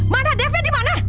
mana devnya di mana